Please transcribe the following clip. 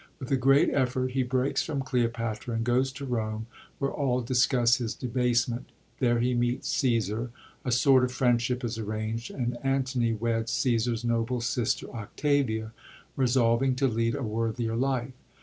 With a great effort he breaks from Cleopatra and goes to Rome, where all discuss his debasfement. There he meets Caesar ; a sort of friendship is arranged, and Antony weds Caesar's noble sister, Octavia, resolving to lead a worthier life.